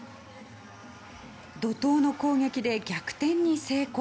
怒涛の攻撃で逆転に成功。